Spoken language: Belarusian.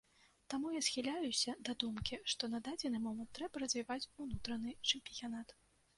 Таму я схіляюся да думкі, што на дадзены момант трэба развіваць унутраны чэмпіянат.